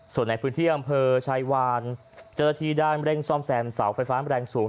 ส่วนในพื้นที่อำเภอชายวานเจ้าหน้าที่ได้เร่งซ่อมแซมเสาไฟฟ้าแรงสูง